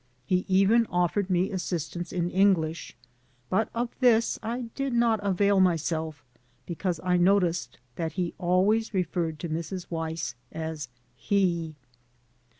He even offered me assistance in English, but of this I did not avail myself because I noticed that he always referred to Mrs. Weiss as "he."